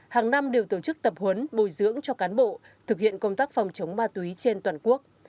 hàng năm đều tổ chức tập huấn bồi dưỡng cho cán bộ thực hiện công tác phòng chống ma túy trên toàn quốc